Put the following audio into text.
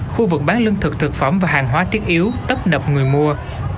khu vực bán lương thực thực phẩm và hàng hóa thiết yếu tấp nập người mua